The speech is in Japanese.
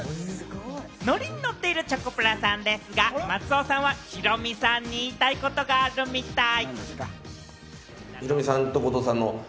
ノリにノっているチョコプラさんですが、松尾さんはヒロミさんに言いたいことがあるみたい。